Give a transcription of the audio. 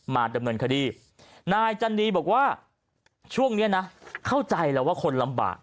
มาดำเนินคดีนายจันนีบอกว่าช่วงนี้นะเข้าใจแล้วว่าคนลำบาก